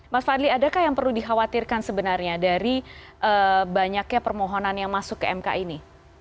mas fadli adakah yang perlu dikhawatirkan sebenarnya dari banyaknya permohonan yang masuk ke mk ini